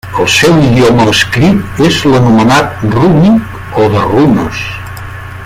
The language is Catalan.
El seu idioma escrit és l'anomenat rúnic o de runes.